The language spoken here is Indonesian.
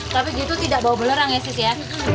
tapi gitu tidak bawa belerang ya sisi ya